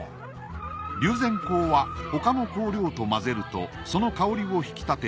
龍涎香は他の香料と混ぜるとその香りを引き立て